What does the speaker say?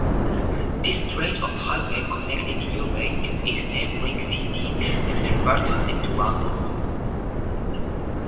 This stretch of highway connects Ouray to its neighboring cities of Silverton and Durango.